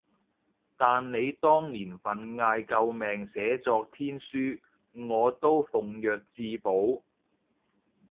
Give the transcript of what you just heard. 但你當年份嗌救命寫作天書，我都奉若至寶